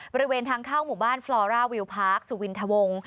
บริเวณทางเข้าหมู่บ้านฟลอร่าวิวพาร์คสุวินทวง